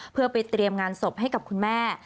เพื่อไปเตรียมงานศพให้กับคุณแม่